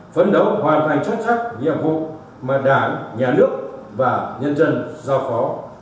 phấn đấu hoàn thành chắc chắc nhiệm vụ mà đảng nhà nước và nhân dân giao phó